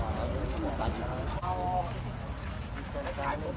รถรถรถ